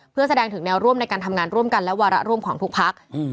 เพื่อแสดงถึงแนวร่วมในการทำงานร่วมกันและวาระร่วมของทุกพัก